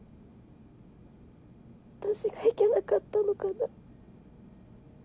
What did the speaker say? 私がいけなかったのかな